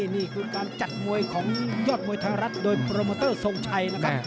นี่คือการจัดมวยของยอดมวยไทยรัฐโดยโปรโมเตอร์ทรงชัยนะครับ